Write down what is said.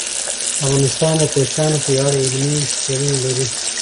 افغانستان د کوچیان په اړه علمي څېړنې لري.